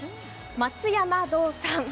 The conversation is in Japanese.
松山堂さん。